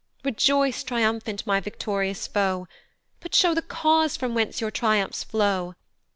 "Rejoice triumphant, my victorious foe, "But show the cause from whence your triumphs flow?